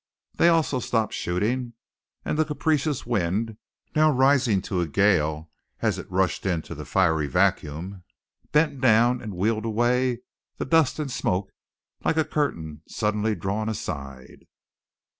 They also stopped shooting, and the capricious wind, now rising to a gale as it rushed into the fiery vacuum, bent down and wheeled away the dust and smoke like a curtain suddenly drawn aside.